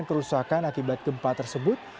dan penamporan kerusakan akibat gempa tersebut